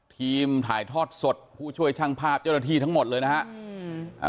ทีมถ่ายทอดสดผู้ช่วยช่างภาพเจ้าหน้าที่ทั้งหมดเลยนะครับ